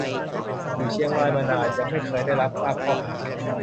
อยู่เชียงรายมานาน ยังไม่เคยได้รับทราบข้อหา